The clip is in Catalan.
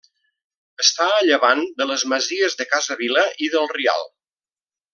Està a llevant de les masies de Casa Vila i del Rial.